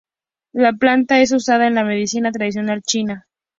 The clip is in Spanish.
La planta es usada en la medicina tradicional china.